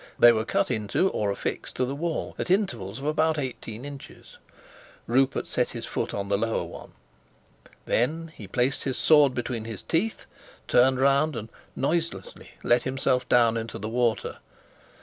They were cut into or affixed to the wall, at intervals of about eighteen inches. Rupert set his foot on the lower one. Then he placed his sword between his teeth, turned round, and noiselessly let himself into the water.